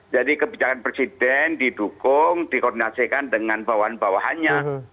jadi kebijakan presiden didukung di koordinasikan dengan bawahan bawahannya